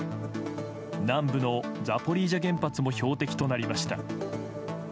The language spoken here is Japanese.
南部のザポリージャ原発も標的となりました。